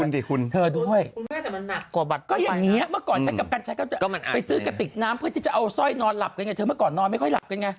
เธอด้วยก็อย่างนี้เมื่อก่อนฉันกับกัญชัยก็ไปซื้อกระติกน้ำเพื่อที่จะเอาสร้อยนอนหลับกันไงเธอเมื่อก่อนนอนไม่ค่อยหลับกันไง